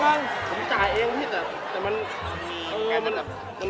ผมจ่ายเองพี่